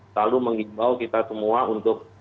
selalu mengimbau kita semua untuk